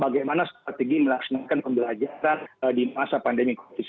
bagaimana strategi melaksanakan pembelajaran di masa pandemi covid sembilan belas